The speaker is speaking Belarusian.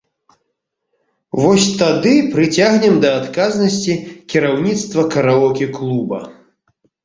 Вось тады прыцягнем да адказнасці кіраўніцтва караоке-клуба.